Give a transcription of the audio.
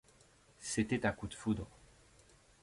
C’était un coup de foudre.